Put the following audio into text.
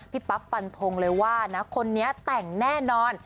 ปั๊บฟันทงเลยว่านะคนนี้แต่งแน่นอน